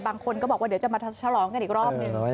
บางคนก็บอกว่าเดี๋ยวจะมาฉลองกันอีกรอบหนึ่ง